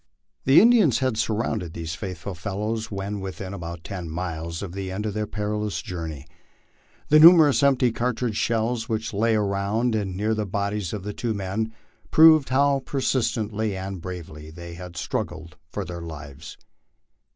The Indians had surrounded these faithful fellows when within about ten miles of the end of their perilous journey. The numerous empty cartridge shells which lay around and near the bodies of the two men, proved how persistently and bravely they had struggled for their lives.